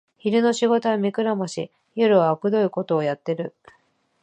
昼の仕事は目くらまし、夜はあくどいことをやってる